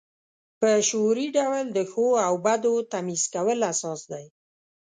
په شعوري ډول د ښو او بدو تمیز کول اساس دی.